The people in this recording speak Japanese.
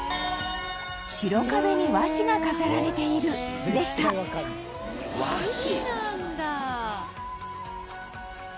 「白壁に和紙が飾られている」でした和紙なんだ！